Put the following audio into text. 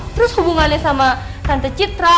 terus hubungannya sama tante citra